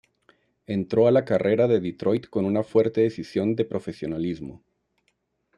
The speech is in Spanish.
Entró a la carrera de Detroit con una fuerte decisión de profesionalismo.